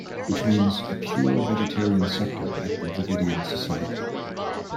Which means a pure vegetarian sector at the dravidian society.